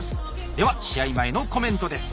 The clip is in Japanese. では試合前のコメントです。